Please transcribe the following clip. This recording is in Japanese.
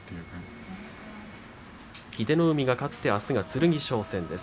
英乃海が勝ってあすは剣翔戦です。